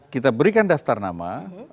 kita berikan daftar nama